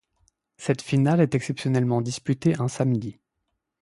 Cette finale est exceptionnellement disputée un samedi.